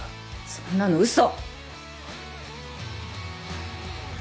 そんなの嘘